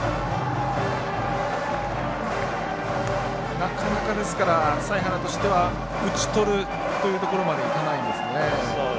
なかなか、財原としては打ち取るというところまでいかないですね。